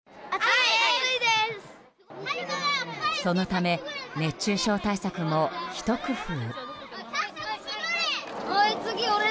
そのため熱中症対策もひと工夫。